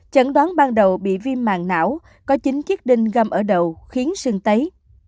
chẩn đoán ban đầu bị viêm màng não có chín chiếc đinh găm ở đầu khiến sưng tấy